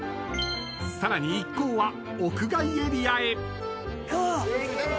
［さらに一行は屋外エリアへ］